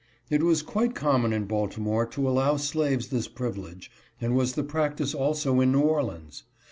It was quite common in Baltimore to allow slaves this privilege, and was the practice also in New Orleans.